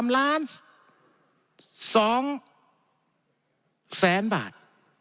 ๓ล้าน๒แสนบาท